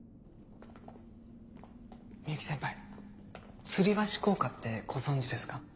美雪先輩吊り橋効果ってご存じですか？